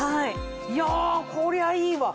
いやこりゃいいわ。